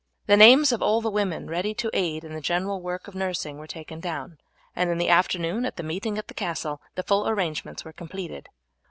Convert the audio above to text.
The names of all the women ready to aid in the general work of nursing were taken down, and in the afternoon at the meeting at the castle the full arrangements were completed.